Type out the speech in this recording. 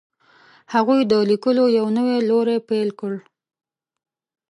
هغوی د لیکلو یو نوی لوری پیل کړ.